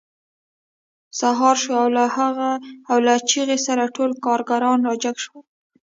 سهار شو او له چیغې سره ټول کارګران راجګ شول